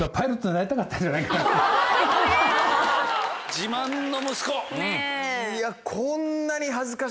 自慢の息子！